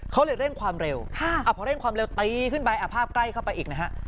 เขาเลยเร่งความเร็วพอเร่งความเร็วตีขึ้นไปภาพใกล้เข้าไปอีกนะฮะ